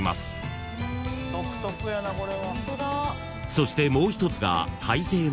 ［そしてもう一つが］